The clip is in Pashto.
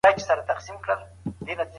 ایا د ډېر قند خوړل په وینه کي شکر زیاتوي؟